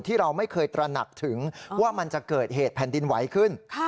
ที่เราไม่เคยตระหนักถึงว่ามันจะเกิดเหตุแผ่นดินไหวขึ้น